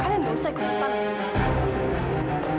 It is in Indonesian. kalian nggak usah ikut ikut kami